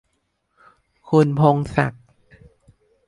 คุณพงษ์ศักดิ์